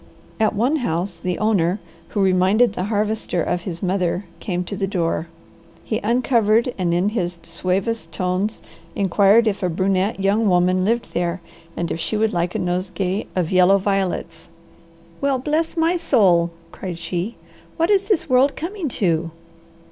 At one house the owner, who reminded the Harvester of his mother, came to the door. He uncovered and in his suavest tones inquired if a brunette young woman lived there and if she would like a nosegay of yellow violets. "Well bless my soul!" cried she. "What is this world coming to?